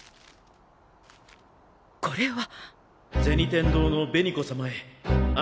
これは。